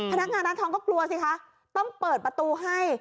พนักงานร้านทองก็กลัวสิคะต้องเปิดประตูให้